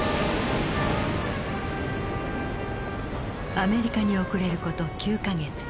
アメリカにおくれる事９か月。